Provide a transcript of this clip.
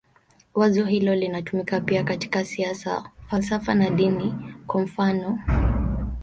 Wazo hilo linatumika pia katika siasa, falsafa na dini, kwa mfanof.